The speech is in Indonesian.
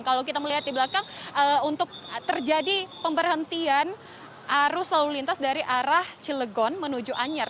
kalau kita melihat di belakang untuk terjadi pemberhentian arus lalu lintas dari arah cilegon menuju anyer